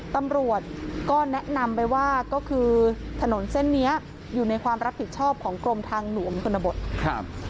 ตำรวจก็แนะนำไปว่าก็คือถนนเส้นนี้อยู่ในความรับผิดชอบของกรมทางหลวงชนบทครับ